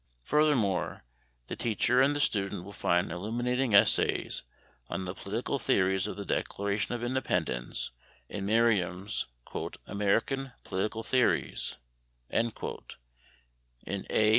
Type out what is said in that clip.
Furthermore, the teacher and the student will find illuminating essays on the political theories of the Declaration of Independence in Merriam's "American Political Theories," in A.